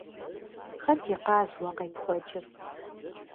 Хэт и къаз уэ къепхуэкӏыр?